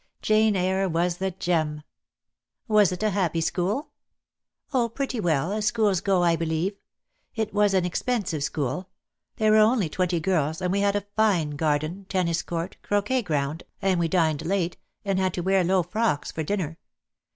'Jane Eyre' was the gem." "Was it a happy school?" "Oh, pretty well, as schools go, I believe. It was an expensive school. There were only twenty girls, and we had a fine garden — tennis court — croquet ground, and we dined late, and had to wear low frocks for dinner.